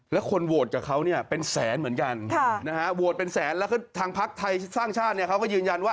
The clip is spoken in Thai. แล้วคนโหวตกับเขาเนี่ยเป็นแสนเหมือนกันโหวตเป็นแสนแล้วก็ทางพักไทยสร้างชาติเนี่ยเขาก็ยืนยันว่า